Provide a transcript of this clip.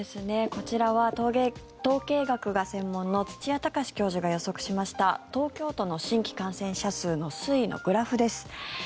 こちらは統計学が専門の土谷隆教授が予測しました東京都の新規感染者数の推移のグラフです。